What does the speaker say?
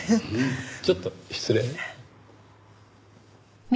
ちょっと失礼。